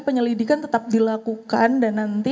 penyelidikan tetap dilakukan dan nanti